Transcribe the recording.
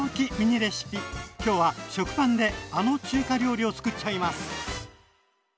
きょうは食パンであの中華料理をつくっちゃいます！